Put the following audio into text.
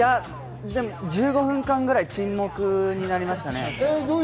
１５分間ぐらい沈黙になりましたね。